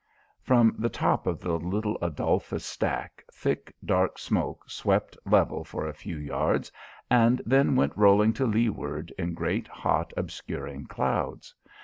From the top of the little Adolphus' stack, thick dark smoke swept level for a few yards and then went rolling to leaward in great hot obscuring clouds.